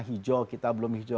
kita belum hijau kita belum hijau